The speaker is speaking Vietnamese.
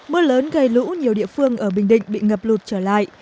mưa lớn gây lũ nhiều địa phương ở bình định bị ngập lụt trở lại